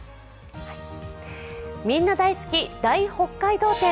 みんな大好き大北海道展。